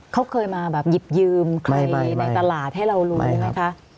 เขาเคยมาแบบหยิบยืมใครในตลาดให้เรารู้ไหมคะ